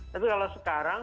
tapi kalau sekarang